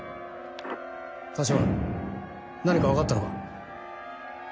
橘何か分かったのか？